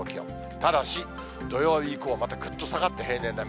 ただし、土曜日以降はまたぐっと下がって、平年並み。